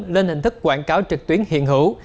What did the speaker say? lên hình thức quảng cáo trực tuyến hiện hữu